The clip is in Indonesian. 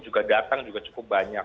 juga datang juga cukup banyak